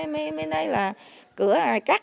mới nói là cửa này cắt